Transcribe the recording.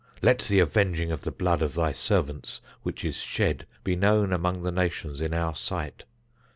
Let the avenging of the blood of thy servants which is shed, be known among the nations in our sight.